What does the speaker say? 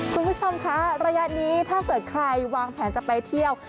คุณผู้ชมคะระยะนี้ถ้าเกิดใครวางแผนจะไปเที่ยว